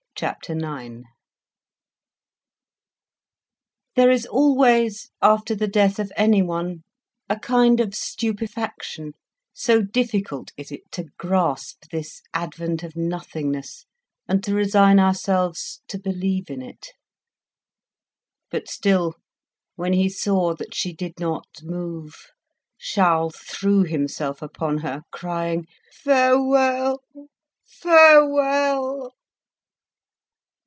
Chapter Nine There is always after the death of anyone a kind of stupefaction; so difficult is it to grasp this advent of nothingness and to resign ourselves to believe in it. But still, when he saw that she did not move, Charles threw himself upon her, crying "Farewell! farewell!"